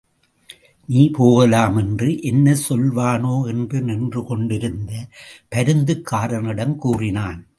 நீ போகலாம் என்று, என்ன சொல்வானோ என்று நின்றுகொண்டிருந்த பருந்துக்காரனிடம் கூறினான்.